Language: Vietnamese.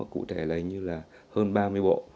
cụ thể là hơn ba mươi bộ